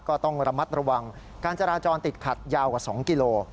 ก็ต้องระมัดระวังการจราจรติดขัดยาวกว่า๒กิโล